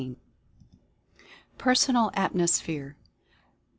PERSONAL ATMOSPHERE.